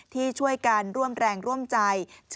ที่ช่วยกันร่วมแรงร่วมใจ